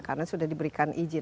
karena sudah diberikan izin